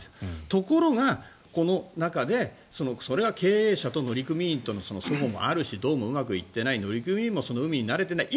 ところが、この中でそれは経営者と乗組員との齟齬もあるしどうもうまくいっていない乗組員も海に慣れていない。